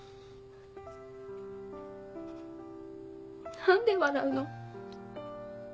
何で笑うの？